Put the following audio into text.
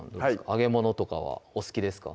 揚げものとかはお好きですか？